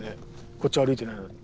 こっち歩いてない。